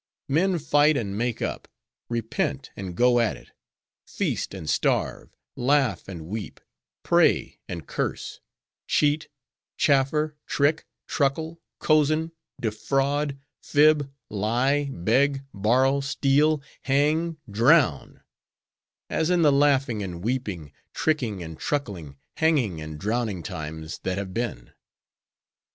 Men fight and make up; repent and go at it; feast and starve; laugh and weep; pray and curse; cheat, chaffer, trick, truckle, cozen, defraud, fib, lie, beg, borrow, steal, hang, drown—as in the laughing and weeping, tricking and truckling, hanging and drowning times that have been.